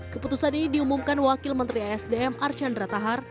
keputusan ini diumumkan wakil menteri asdm archandra tahar